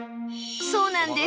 そうなんです。